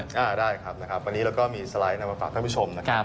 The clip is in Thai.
อ่าได้ครับนะครับวันนี้เราก็มีสไลด์นำมาฝากท่านผู้ชมนะครับ